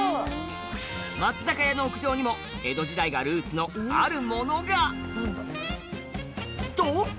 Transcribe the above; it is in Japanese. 松坂屋の屋上にも江戸時代がルーツのあるものが！と！